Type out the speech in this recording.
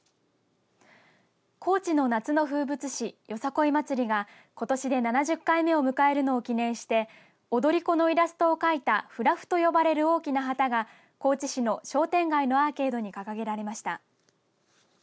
高知の夏の風物詩よさこい祭りがことしで７０回目を迎えるのを記念して踊り子のイラストを描いたフラフと呼ばれる大きな旗が高知市の商店街のアーケードに掲げられました。